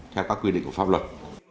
theo các quy định của pháp luật